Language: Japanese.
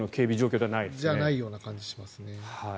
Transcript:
じゃないような感じがしますね。